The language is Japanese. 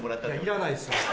いらないっすよ。